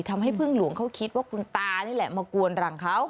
พึ่งหลวงเขาคิดว่าคุณตานี่แหละมากวนหลังเขา